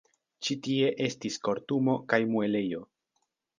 Ĉi tie estis kortumo kaj muelejo.